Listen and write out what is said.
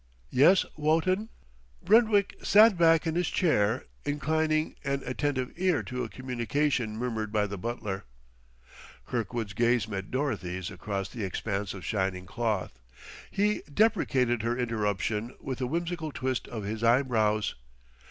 Yes, Wotton?" Brentwick sat back in his chair, inclining an attentive ear to a communication murmured by the butler. Kirkwood's gaze met Dorothy's across the expanse of shining cloth; he deprecated her interruption with a whimsical twist of his eyebrows.